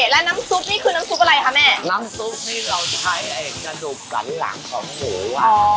แล้วน้ำซุปนี่คือน้ำซุปอะไรคะแม่น้ำซุปนี่เราใช้ไอ้กระดูกสันหลังของหมูอ่ะ